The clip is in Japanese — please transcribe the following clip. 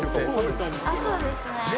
そうですね。